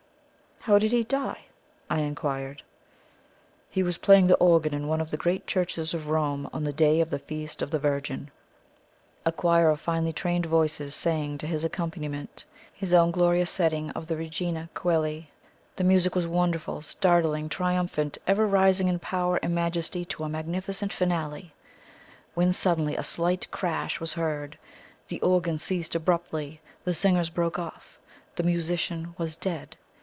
"How did he die?" I inquired. "He was playing the organ in one of the great churches of Rome on the day of the Feast of the Virgin. A choir of finely trained voices sang to his accompaniment his own glorious setting of the "Regina Coeli." The music was wonderful, startling, triumphant ever rising in power and majesty to a magnificent finale, when suddenly a slight crash was heard; the organ ceased abruptly, the singers broke off. The musician was dead.